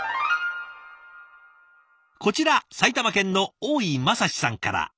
こちら埼玉県の大井正史さんから。